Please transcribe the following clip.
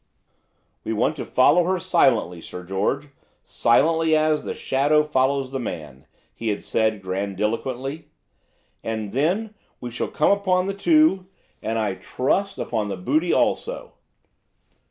"We want to follow her silently, Sir George, silently as, the shadow follows the man," he had said grandiloquently, "and then we shall come upon the two, and I trust upon their booty also."